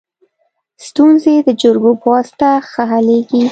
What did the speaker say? ستونزي د جرګو په واسطه ښه حلیږي.